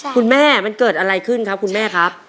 คุณแม่มันเกิดอะไรขึ้นครับคุณแม่ครับ